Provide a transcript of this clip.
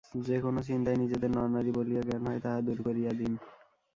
যে-কোন চিন্তায় নিজেদের নর-নারী বলিয়া জ্ঞান হয়, তাহা দূর করিয়া দিন।